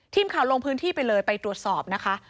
ทีมข่าวลงพื้นที่ไปเลยไปตรวจสอบนะคะ